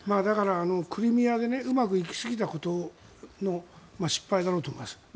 だからクリミアでうまくいきすぎたことの失敗だろうと思います。